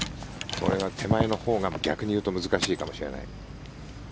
これが手前のほうが逆にいうと難しいかもしれない。